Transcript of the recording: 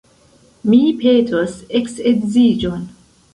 Mi petos eksedziĝon.